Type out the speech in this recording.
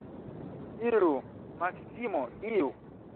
Iru, Maksimo, iru!